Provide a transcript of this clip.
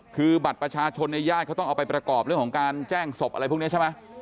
คือบัตรประชาชนในญาติเขาต้องเอาไปประกอบเรื่องของการแจ้งศพอะไรพวกนี้ใช่ไหม